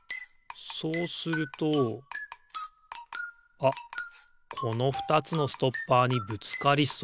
そうするとあっこの２つのストッパーにぶつかりそう。